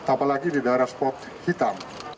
apalagi di daerah spot hitam